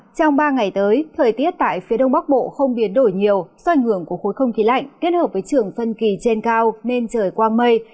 trong ba ngày tới thời tiết tại phía đông bắc bộ không biến đổi nhiều do ảnh hưởng của khối không khí lạnh kết hợp với trường phân kỳ trên cao nên trời quang mây